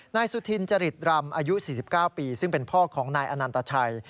นายสุธินจริตรำอายุ๔๙ปีซึ่งเป็นพ่อของนายอนันตชัย